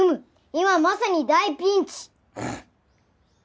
今まさに大ピンチ！